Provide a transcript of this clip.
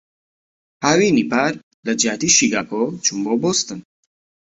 هاوینی پار، لەجیاتیی شیکاگۆ چووم بۆ بۆستن.